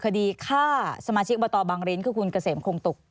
คดีฆ่าสมาชิกบตบังริ้นคือคุณเกษมคงตุก